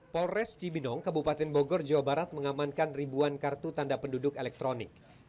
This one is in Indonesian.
polres cibinong kabupaten bogor jawa barat mengamankan ribuan kartu tanda penduduk elektronik